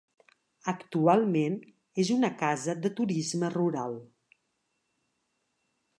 Actualment, és una casa de turisme rural.